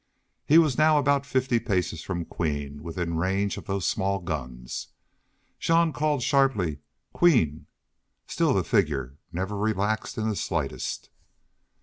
He was now about fifty paces from Queen, within range of those small guns. Jean called, sharply, "QUEEN!" Still the figure never relaxed in the slightest.